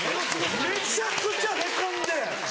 めちゃくちゃヘコんで。